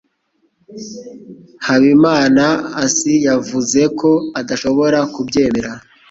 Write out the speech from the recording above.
Habimanaasi yavuze ko adashobora kubyemera.